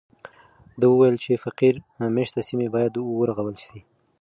دوی وویل چې فقیر مېشته سیمې باید ورغول سي.